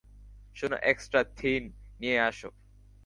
শোনো, extra thin নিয়ে এসো।